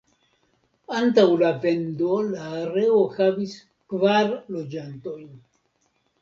Antaŭ la vendo la areo havis kvar loĝantojn.